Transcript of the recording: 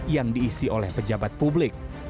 yang diisi oleh pejabat publik